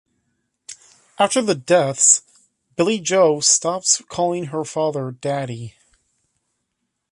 After the deaths, Billie Jo stops calling her father Daddy.